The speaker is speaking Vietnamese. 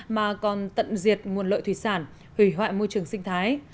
mà còn tận diệt nguồn lợi thủy sản hủy hoại môi trường sinh thái